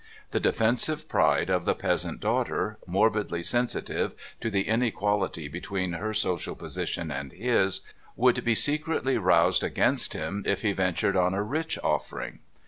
The defensive pride of the peasant's daughter — morbidly sensitive to the inequality between her social position and his — would be secretly roused against him if he ventured on a rich offering.